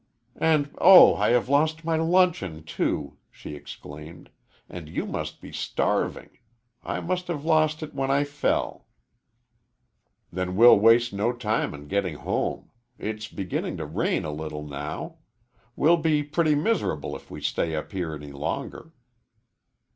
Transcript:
"And oh, I have lost my luncheon, too," she exclaimed, "and you must be starving. I must have lost it when I fell." "Then we'll waste no time in getting home. It's beginning to rain a little now. We'll be pretty miserable if we stay up here any longer."